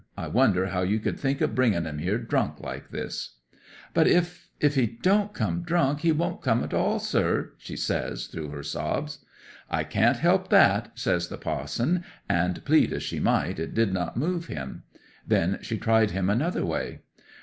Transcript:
I wonder how you could think of bringing him here drunk like this!" '"But if—if he don't come drunk he won't come at all, sir!" she says, through her sobs. '"I can't help that," says the pa'son; and plead as she might, it did not move him. Then she tried him another way.